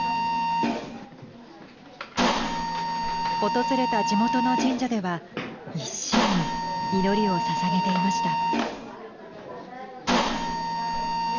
訪れた地元の神社では一心に祈りをささげていました。